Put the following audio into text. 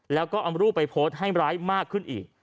แล้วก็เอารูปไปโพสต์ให้ร้ายมากขึ้นอีก